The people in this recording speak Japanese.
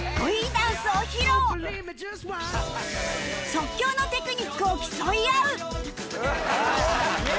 即興のテクニックを競い合う！